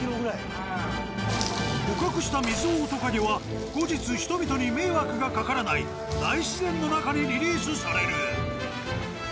捕獲したミズオオトカゲは後日人々に迷惑がかからない大自然の中にリリースされる。